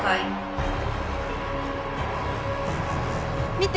見て！